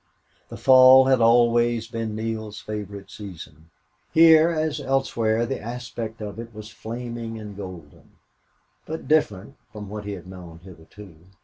The fall had always been Neale's favorite season. Here, as elsewhere, the aspect of it was flaming and golden, but different from what he had known hitherto.